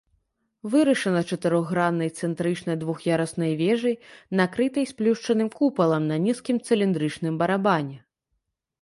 Вырашана чатырохграннай цэнтрычнай двух'яруснай вежай, накрытай сплюшчаным купалам на нізкім цыліндрычным барабане.